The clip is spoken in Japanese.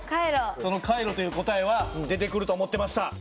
そのカイロという答えは出てくると思ってました。